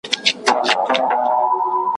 لیونی د خرابات مې پل په پل ږدي